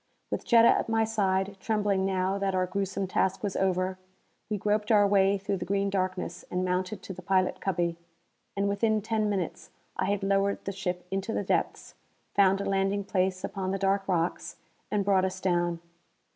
With Jetta at my side, trembling now that our gruesome task was over, we groped our way through the green darkness and mounted to the pilot cubby. And within ten minutes I had lowered the ship into the depths, found a landing place upon the dark rocks, and brought us down.